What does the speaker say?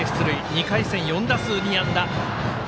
２回戦、４打数２安打。